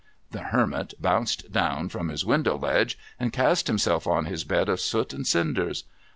The Hermit bounced down from his window ledge, and cast himself on his bed of soot and cinders.